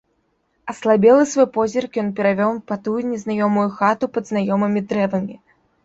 Аслабелы свой позірк ён перавёў па тую незнаёмую хату пад знаёмымі дрэвамі.